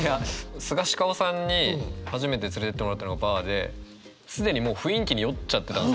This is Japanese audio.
スガシカオさんに初めて連れてってもらったのがＢＡＲで既にもう雰囲気に酔っちゃってたんですけど。